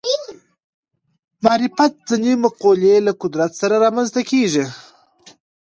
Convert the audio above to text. معرفت ځینې مقولې له قدرت سره رامنځته کېږي